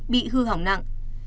bị hư hỏng nặng